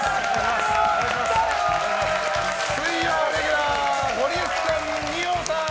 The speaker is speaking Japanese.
水曜レギュラーゴリエさん、二葉さん！